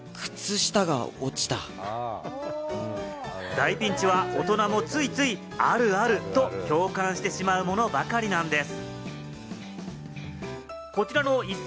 大ピンチは大人もついつい、あるあると共感してしまうものばかりなんです。